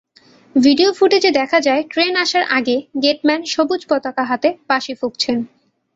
Video ফুটেজে দেখা যায়, ট্রেন আসার আগে গেটম্যান সবুজ পতাকা হাতে বাঁশি ফুঁকছেন।